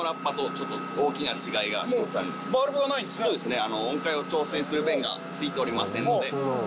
そうですね。え。